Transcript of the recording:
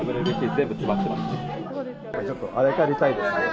ちょっとあやかりたいですね。